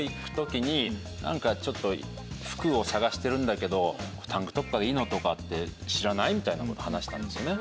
「何かちょっと服を探してるんだけどタンクトップでいいのとかって知らない？」みたいなこと話したんですよね。